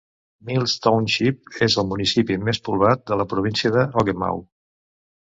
Mills Township és el municipi més poblat de la província de Ogemaw.